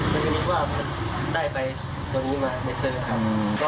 ผมว่าได้ไปตรงนี้มาเมสเสิร์ฟครับ